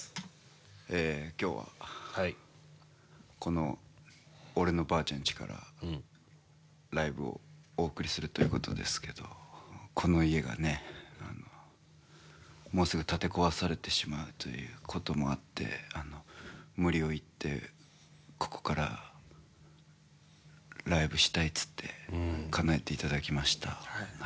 今日はこの俺のばーちゃんちから、ライブをお送りするということですけれども、この家がね、もうすぐ建て壊されてしまうということもあって無理を言って、ここからライブしたいって言ってかなえていただきました。